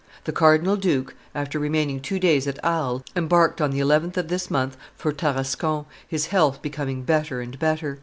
"The cardinal duke, after remaining two days at Arles, embarked on the 11th of this month for Tarascon, his health becoming better and better.